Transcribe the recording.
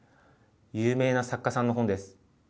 有名な作家さんの本です。